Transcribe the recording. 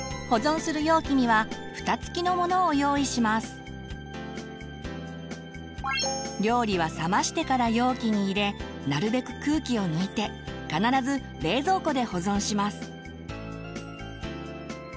ここで料理は冷ましてから容器に入れなるべく空気を抜いて必ず冷蔵庫で保存します。